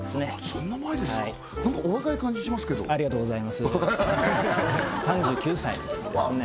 そんな前ですかなんかお若い感じしますけどありがとうございます３９歳のときですね